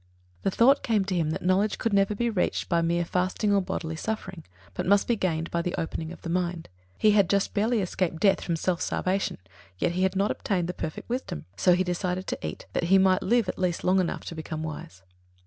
The thought came to him that knowledge could never be reached by mere fasting or bodily suffering, but must be gained by the opening of the mind. He had just barely escaped death from self starvation, yet had not obtained the Perfect Wisdom. So he decided to eat, that he might live at least long enough to become wise.